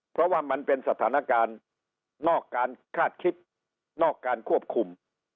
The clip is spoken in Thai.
เพราะว่ามันเป็นสถานการณ์นอกการคาดคิดนอกการควบคุม